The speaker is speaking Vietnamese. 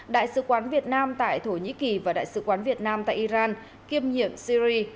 đại sứ quán việt nam tại thổ nhĩ kỳ và đại sứ quán việt nam tại iran kiêm nhiệm syri